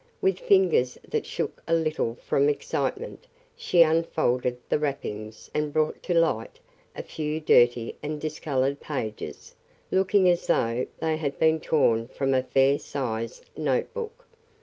With fingers that shook a little from excitement, she unfolded the wrappings and brought to light a few dirty and discolored pages, looking as though they had been torn from a fair sized note book.